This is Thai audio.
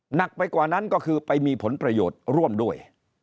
หนักไปกว่านั้นก็คือไปมีผลประโยชน์ร่วมด้วย